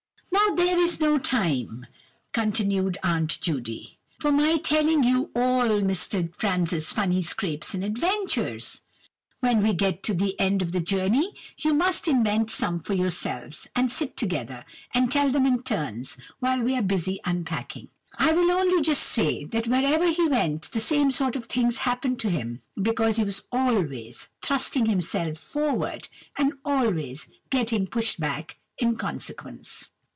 "Now there is no time," continued Aunt Judy, "for my telling you all Mr. Franz's funny scrapes and adventures. When we get to the end of the journey, you must invent some for yourselves, and sit together, and tell them in turns, while we are busy unpacking. I will only just say, that wherever he went, the same sort of things happened to him, because he was always thrusting himself forward, and always getting pushed back in consequence.